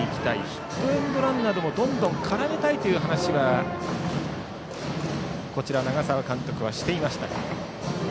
ヒットエンドランなどもどんどん絡めたいという話を長澤監督はしていましたが。